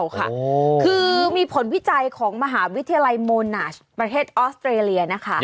คือมีผลวิจัยของมหาวิทยาลัยโมนาชประเทศออสเตรเลียนะคะ